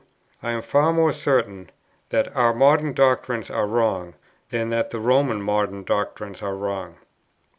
I am far more certain, that our (modern) doctrines are wrong, than that the Roman (modern) doctrines are wrong.